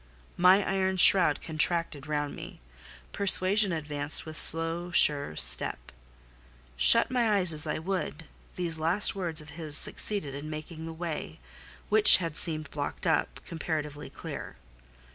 My iron shroud contracted round me; persuasion advanced with slow sure step. Shut my eyes as I would, these last words of his succeeded in making the way, which had seemed blocked up, comparatively clear.